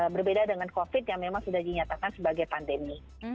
berbeda dengan covid yang memang sudah dinyatakan sebagai pandemi